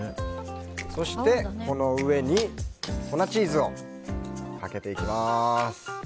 そして、この上に粉チーズをかけていきます。